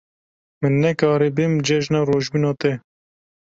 Min nekarî bêm cejna rojbûna te.